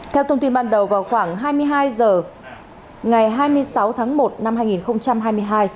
theo thông tin ban đầu vào khoảng hai mươi hai h ngày hai mươi sáu tháng một năm hai nghìn hai mươi hai